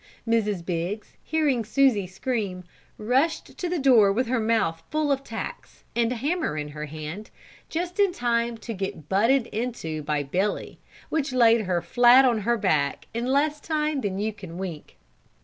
Mrs. Biggs, hearing Susie scream, rushed to the door with her mouth full of tacks, and a hammer in her hand, just in time to get butted into by Billy, which laid her flat on her back in less time than you can wink.